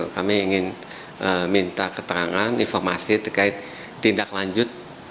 kami ingin minta keterangan informasi terkait tindaklanjut